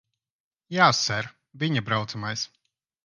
Jā, ser. Viņa braucamais.